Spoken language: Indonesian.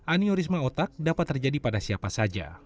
aniorisma otak dapat terjadi pada siapa saja